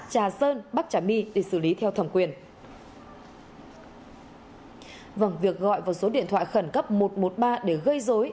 hà sơn bắc trà my để xử lý theo thẩm quyền việc gọi vào số điện thoại khẩn cấp một trăm một mươi ba để gây rối